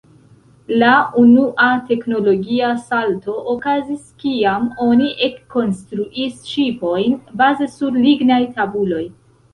La unua teknologia salto okazis kiam oni ekkonstruis ŝipojn baze sur lignaj tabuloj.